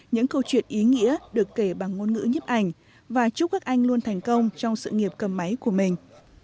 những câu chuyện ý nghĩa được kể bằng ngôn ngữ nhấp ảnh và chúc các anh luôn thành công trong sự nghiệp cầm máy của mình